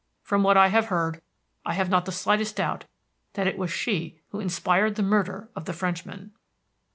From what I have heard, I have not the slightest doubt that it was she who inspired the murder of the Frenchman.